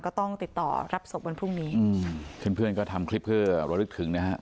ก็ต้องติดต่อรับศพวันพรุ่งนี้อืมเพื่อนเพื่อนก็ทำคลิปเพื่อระลึกถึงนะฮะ